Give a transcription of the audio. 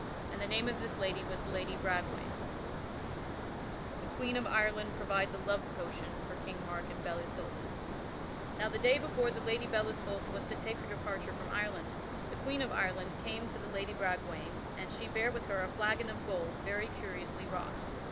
And the name of this lady was the Lady Bragwaine. [Sidenote: The Queen of Ireland provides a love potion for King Mark and Belle Isoult] Now the day before the Lady Belle Isoult was to take her departure from Ireland, the Queen of Ireland came to the Lady Bragwaine and she bare with her a flagon of gold very curiously wrought.